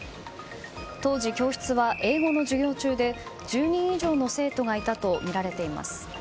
当時、教室は英語の授業中で１０人以上の生徒がいたとみられています。